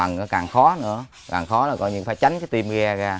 cái chiếc lớn mà càng khó nữa càng khó là coi như phải tránh cái tim ghe ra